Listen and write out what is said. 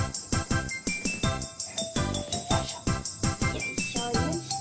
よいしょよいしょ。